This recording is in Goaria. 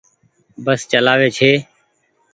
بس چلآوي ڇي۔